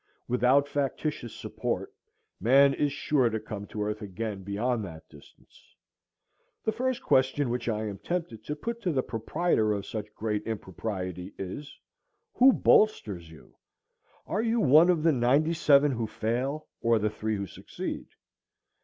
Without factitious support, man is sure to come to earth again beyond that distance. The first question which I am tempted to put to the proprietor of such great impropriety is, Who bolsters you? Are you one of the ninety seven who fail, or of the three who succeed?